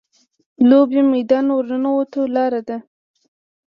لوبې میدان ورننوتو لاره ده.